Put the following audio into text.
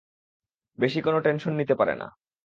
বেশি কোনো টেনশন নিতে পারে না।